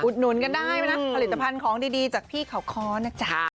หนุนกันได้นะผลิตภัณฑ์ของดีจากพี่เขาค้อนะจ๊ะ